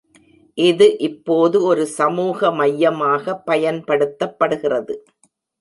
இது இப்போது ஒரு சமூக மையமாக பயன்படுத்தப்படுகிறது.